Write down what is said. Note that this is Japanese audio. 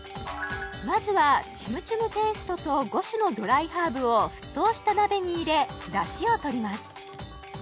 まずはチムチュムペーストと５種のドライハーブを沸騰した鍋に入れ出汁をとります